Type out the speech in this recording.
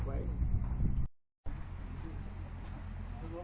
สวัสดีครับ